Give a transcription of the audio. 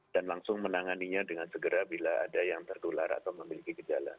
dan langsung menanganinya dengan segera bila ada yang tergular atau memiliki kejalan